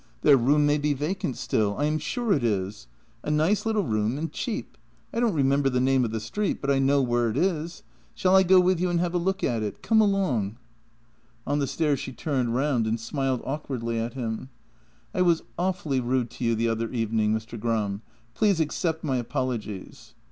Their room may be vacant still. I am sure it is. A nice little room and cheap. I don't remember the name of the street, but I know where it is. Shall I go with you and have a look at it? Come along." JENNY 59 On the stairs she turned round and smiled awkwardly at him: " I was awfully rude to you the other evening, Mr. Gram. Please accept my apologies."